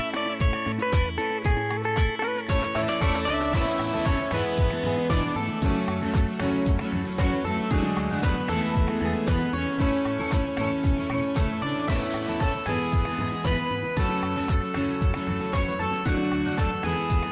สวัสดีครับสวัสดีครับ